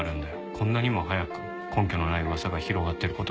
こんなにも早く根拠のない噂が広がってる事が。